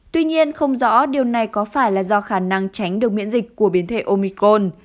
tuy nhiên không rõ điều này có phải là do khả năng tránh được miễn dịch của biến thể omicol